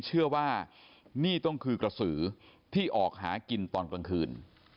เชื่อว่านี่ต้องคือกระสือที่ออกหากินตอนกลางคืน